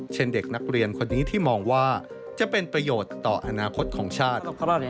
เช่นเด็กนักเรียนคนนี้ที่มองว่าจะเป็นประโยชน์ต่ออนาคตของชาติ